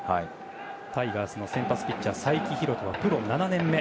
タイガースの先発ピッチャー、才木浩人はプロ７年目。